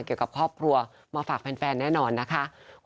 เกี่ยวกับครอบครัวมาฝากแฟนแน่นอนนะคะ